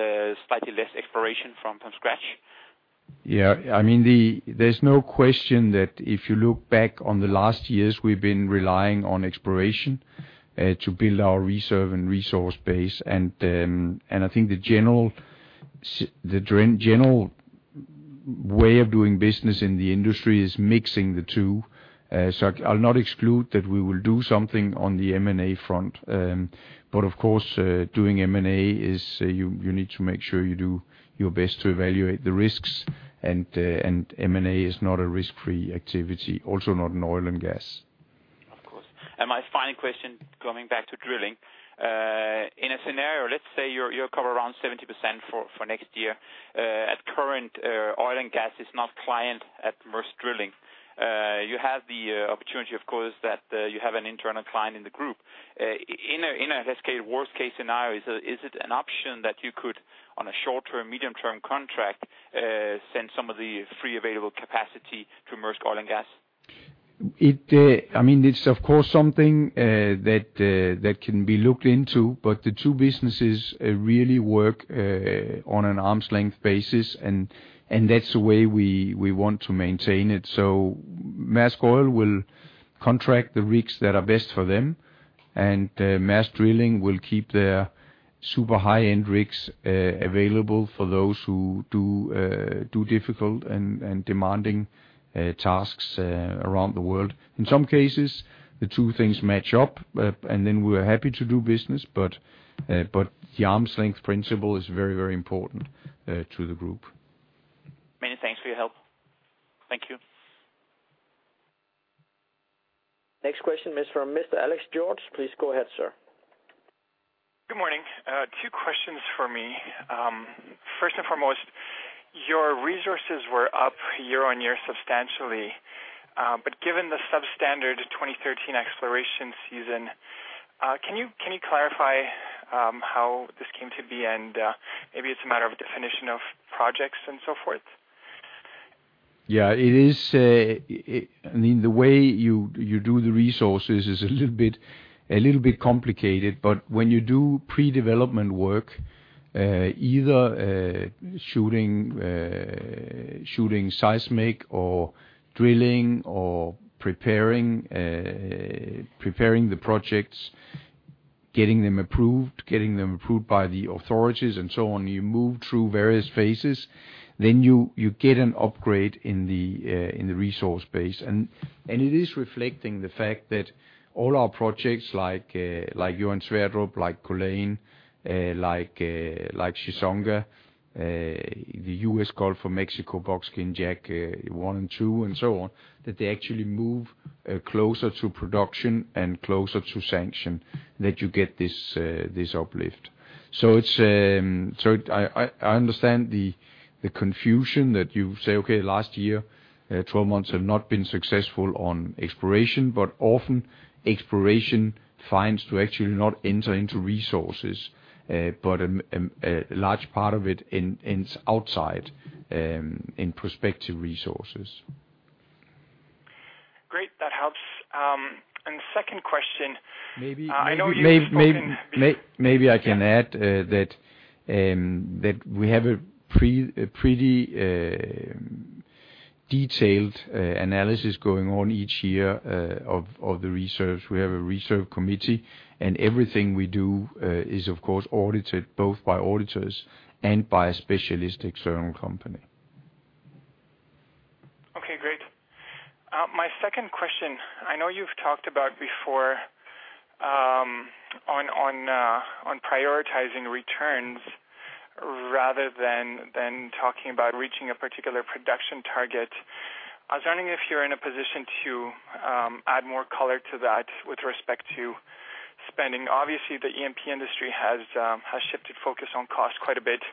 slightly less exploration from scratch? Yeah. I mean, there's no question that if you look back on the last years, we've been relying on exploration to build our reserve and resource base. I think the general way of doing business in the industry is mixing the two. I'll not exclude that we will do something on the M&A front. Of course, doing M&A, you need to make sure you do your best to evaluate the risks. M&A is not a risk-free activity, also not in oil and gas. Drilling. In a scenario, let's say you're covered around 70% for next year, at current, Maersk Oil is not a client at Maersk Drilling. You have the opportunity of course that you have an internal client in the group. In a let's say worst case scenario, is it an option that you could on a short-term, medium-term contract, send some of the free available capacity to Maersk Oil? It, I mean, it's of course something that can be looked into. The two businesses really work on an arm's length basis, and that's the way we want to maintain it. Maersk Oil will contract the rigs that are best for them, and Maersk Drilling will keep their super high-end rigs available for those who do difficult and demanding tasks around the world. In some cases, the two things match up and then we are happy to do business. The arm's length principle is very, very important to the group. Many thanks for your help. Thank you. Next question is from Mr. Alexia Dogani, please go ahead, sir. Good morning. Two questions for me. First and foremost, your resources were up year-on-year substantially. Given the substandard 2013 exploration season, can you clarify how this came to be, and maybe it's a matter of definition of projects and so forth? Yeah, it is. I mean, the way you do the resources is a little bit complicated, but when you do pre-development work, either shooting seismic or drilling or preparing the projects, getting them approved by the authorities and so on, you move through various phases. You get an upgrade in the resource base. It is reflecting the fact that all our projects like Johan Sverdrup, like Culzean, like Chissonga, the U.S. Gulf of Mexico Buckskin Jack one and two, and so on, that they actually move closer to production and closer to sanction, that you get this uplift. I understand the confusion that you say, okay, last year, 12 months have not been successful in exploration, but often exploration finds do actually not enter into resources. A large part of it ends outside in prospective resources. Great. That helps. The second question. Maybe. I know you've spoken. Maybe I can add that we have a pretty detailed analysis going on each year of the reserves. We have a reserve committee, and everything we do is of course audited both by auditors and by a specialist external company. Okay, great. My second question, I know you've talked about before on prioritizing returns rather than talking about reaching a particular production target. I was wondering if you're in a position to add more color to that with respect to spending. Obviously, the E&P industry has shifted focus on cost quite a bit.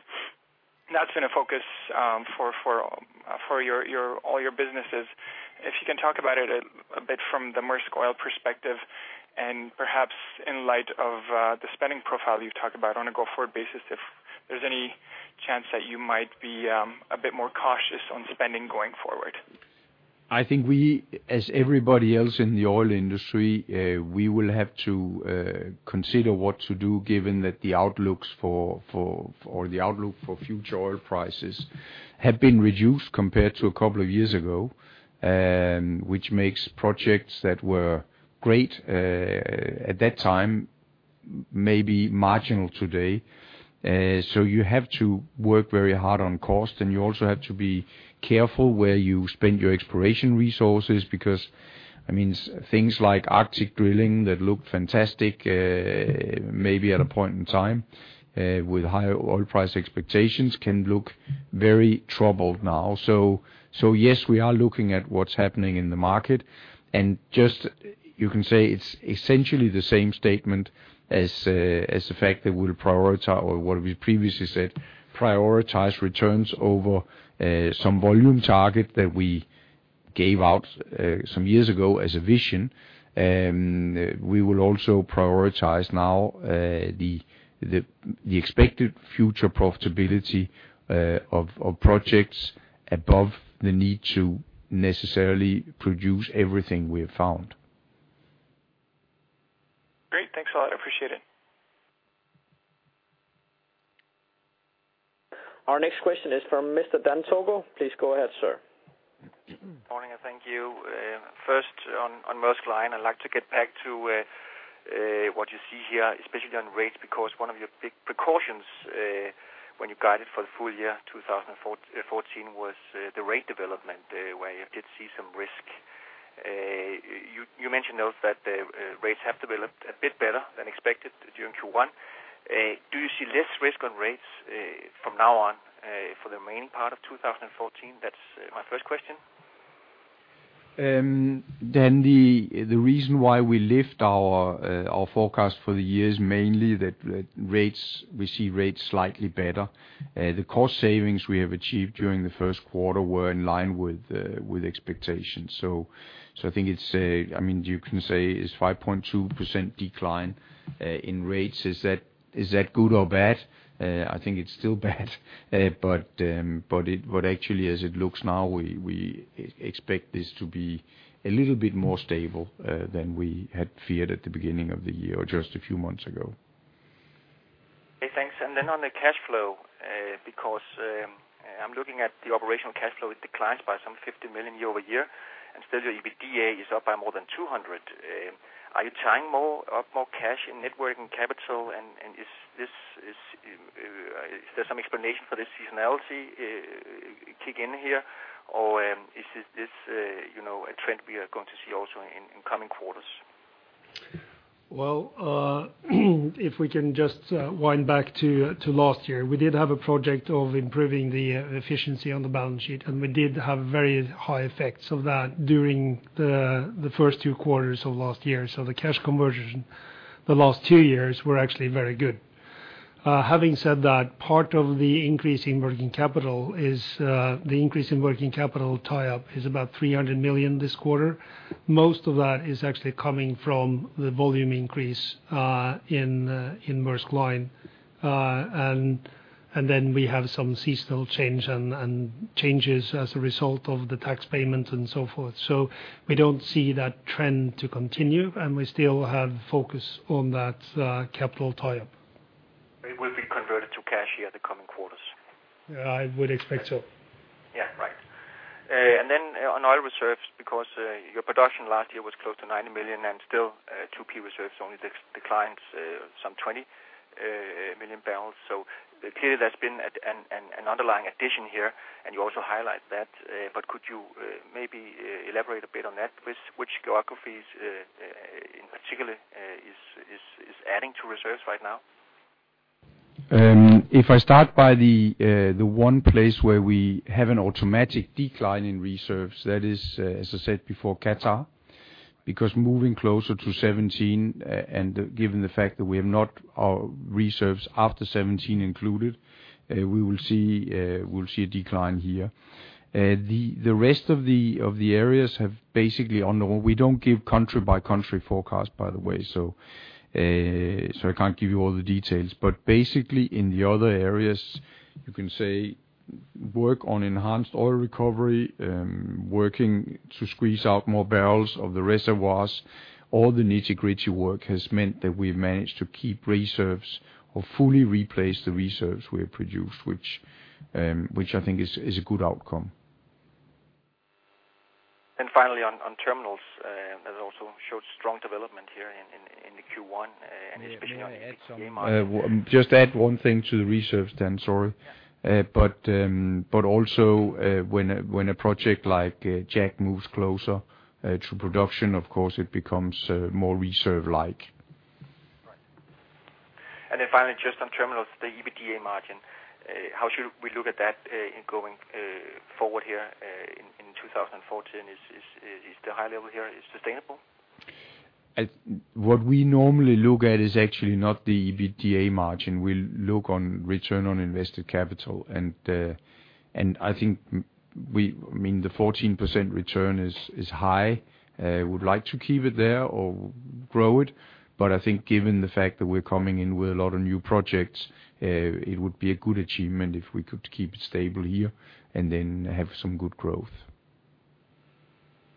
That's been a focus for all your businesses. If you can talk about it a bit from the Maersk Oil perspective and perhaps in light of the spending profile you've talked about on a go-forward basis, if there's any chance that you might be a bit more cautious on spending going forward. I think we, as everybody else in the oil industry, will have to consider what to do given that the outlook for future oil prices has been reduced compared to a couple of years ago. Which makes projects that were great at that time maybe marginal today. You have to work very hard on cost, and you also have to be careful where you spend your exploration resources because I mean things like Arctic drilling that looked fantastic maybe at a point in time with higher oil price expectations can look very troubled now. Yes, we are looking at what's happening in the market. Just, you can say it's essentially the same statement as the fact that what we previously said, prioritize returns over some volume target that we gave out some years ago as a vision. We will also prioritize now the expected future profitability of projects above the need to necessarily produce everything we have found. Great. Thanks a lot. Appreciate it. Our next question is from Mr. Dan Togo. Please go ahead, sir. Morning, thank you. First on Maersk Line, I'd like to get back to what you see here, especially on rates, because one of your big precautions when you guided for the full year 2014 was the rate development, where you did see some risk. You mentioned though that the rates have developed a bit better than expected during Q1. Do you see less risk on rates from now on for the remaining part of 2014? That's my first question. The reason why we lift our forecast for the year is mainly that we see rates slightly better. The cost savings we have achieved during the first quarter were in line with expectations. I think it's, I mean, you can say it's 5.2% decline in rates. Is that good or bad? I think it's still bad. Actually as it looks now, we expect this to be a little bit more stable than we had feared at the beginning of the year or just a few months ago. Okay, thanks. On the cash flow, because I'm looking at the operational cash flow, it declines by some $50 million year-over-year. Still your EBITDA is up by more than $200 million. Are you tying more cash in working capital? Is there some explanation for this seasonality kick in here? You know, is this a trend we are going to see also in coming quarters? Well, if we can just wind back to last year. We did have a project of improving the efficiency on the balance sheet, and we did have very high effects of that during the first two quarters of last year. The cash conversion the last two years were actually very good. Having said that, part of the increase in working capital tie-up is about $300 million this quarter. Most of that is actually coming from the volume increase in Maersk Line. We have some seasonal change and changes as a result of the tax payment and so forth. We don't see that trend to continue, and we still have focus on that capital tie-up. It will be converted to cash in the coming quarters. I would expect so. Yeah. Right. On oil reserves, because your production last year was close to 90 million, and still, 2C reserves only declined some 20 million barrels. Clearly there's been an underlying addition here, and you also highlight that. Could you maybe elaborate a bit on that? Which geographies in particular is adding to reserves right now? If I start by the one place where we have an automatic decline in reserves, that is, as I said before, Qatar. Because moving closer to 2017 and given the fact that we have not our reserves after 2017 included, we will see a decline here. The rest of the areas have basically on all. We don't give country by country forecast, by the way, so I can't give you all the details. Basically in the other areas, you can say work on enhanced oil recovery, working to squeeze out more barrels of the reservoirs. All the nitty-gritty work has meant that we've managed to keep reserves or fully replace the reserves we have produced, which I think is a good outcome. Finally on terminals, that also showed strong development here in Q1, and especially on the EBIT margin. May I add some, just add one thing to the reserves then, sorry. Also, when a project like Jack moves closer to production, of course, it becomes more reserve-like. Finally, just on terminals, the EBITDA margin, how should we look at that going forward here in 2014? Is the high level here sustainable? What we normally look at is actually not the EBITDA margin. We look at return on invested capital. I think, I mean, the 14% return is high. Would like to keep it there or grow it? I think given the fact that we're coming in with a lot of new projects, it would be a good achievement if we could keep it stable here and then have some good growth.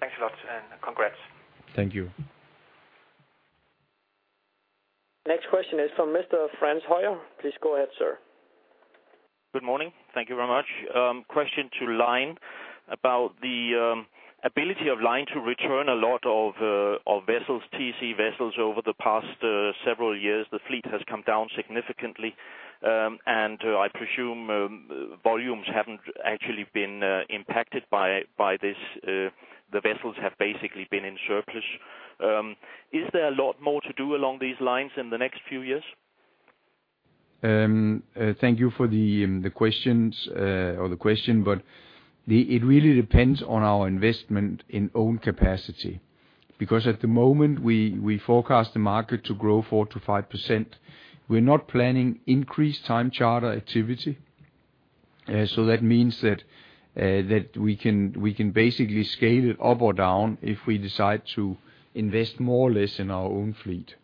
Thanks a lot and congrats. Thank you. Next question is from Mr. Frans Høyer. Please go ahead, sir. Good morning. Thank you very much. Question to Line about the ability of Line to return a lot of vessels, TC vessels over the past several years. The fleet has come down significantly. I presume volumes haven't actually been impacted by this. The vessels have basically been in surplus. Is there a lot more to do along these lines in the next few years? Thank you for the questions or the question. It really depends on our investment in own capacity, because at the moment we forecast the market to grow 4%-5%. We're not planning increased time charter activity. That means that we can basically scale it up or down if we decide to invest more or less in our own fleet.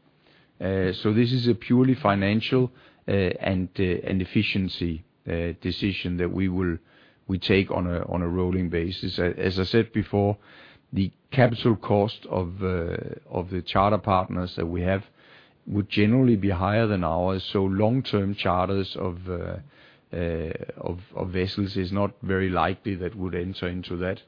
This is a purely financial and efficiency decision that we take on a rolling basis. As I said before, the capital cost of the charter partners that we have would generally be higher than ours, so long-term charters of vessels is not very likely that would enter into that.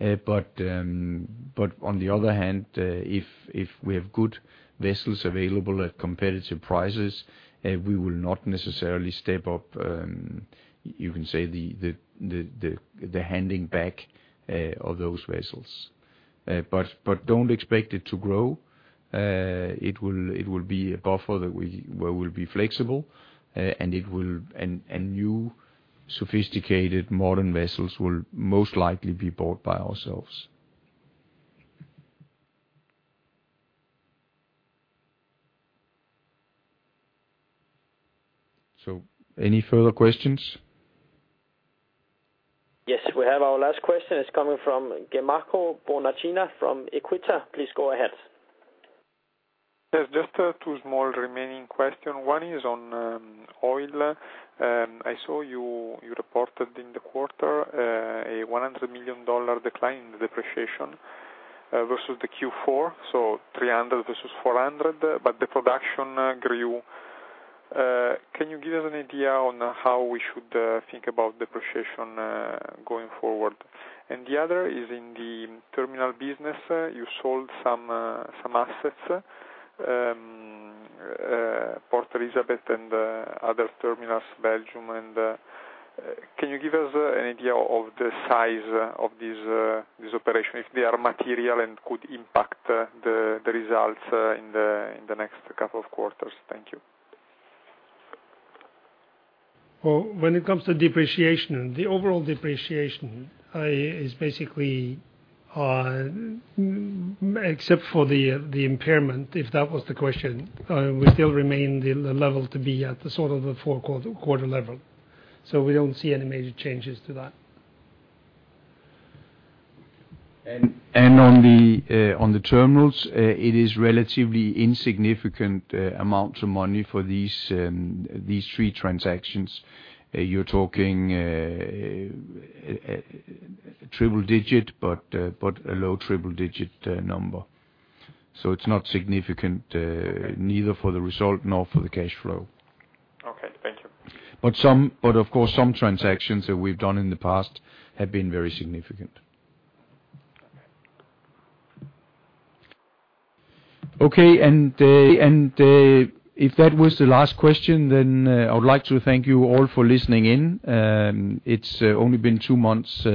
On the other hand, if we have good vessels available at competitive prices, we will not necessarily step up, you can say, the handing back of those vessels. Don't expect it to grow. It will be a buffer where we'll be flexible. New sophisticated modern vessels will most likely be bought by ourselves. Any further questions? Yes, we have our last question. It's coming from Gianmarco Bonacina from Equita. Please go ahead. Yes, just two small remaining questions. One is on oil. I saw you reported in the quarter a $100 million decline in the depreciation versus the Q4, so $300 million versus $400 million, but the production grew. Can you give us an idea on how we should think about depreciation going forward? The other is in the terminal business, you sold some asets, Port Elizabeth and other terminals, Belgium. Can you give us an idea of the size of this operation, if they are material and could impact the results in the next couple of quarters? Thank you. Well, when it comes to depreciation, the overall depreciation is basically, except for the impairment, if that was the question, we still remain at the level to be at sort of the fourth quarter level. We don't see any major changes to that. On the terminals, it is relatively insignificant amounts of money for these three transactions. You're talking triple digit, but a low triple digit number. It's not significant, neither for the result nor for the cash flow. Okay, thank you. Of course, some transactions that we've done in the past have been very significant. Okay. If that was the last question, then I would like to thank you all for listening in. It's only been two months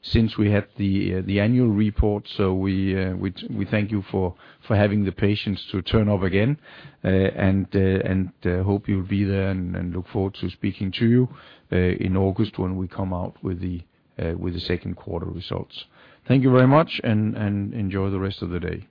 since we had the annual report. We thank you for having the patience to turn up again, and hope you'll be there and look forward to speaking to you in August when we come out with the second quarter results. Thank you very much and enjoy the rest of the day.